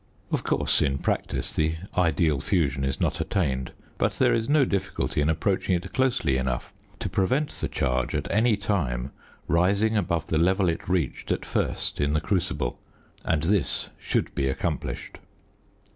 Of course, in practice the ideal fusion is not attained, but there is no difficulty in approaching it closely enough to prevent the charge at any time rising above the level it reached at first in the crucible, and this should be accomplished.